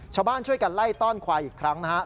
ชาวบ้านช่วยกันไล่ต้อนควายอีกครั้งนะครับ